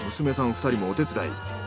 ２人もお手伝い。